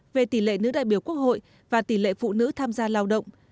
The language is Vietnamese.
về tỷ lệ nữ đại biểu quốc hội và tỷ lệ phụ nữ tham gia lao động